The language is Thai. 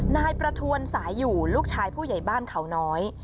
นายประทวนสายอยู่ลูกชายผู้ใหญ่บ้านเขาน้อย